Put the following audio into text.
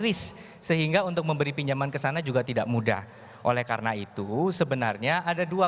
risk sehingga untuk memberi pinjaman ke sana juga tidak mudah oleh karena itu sebenarnya ada dua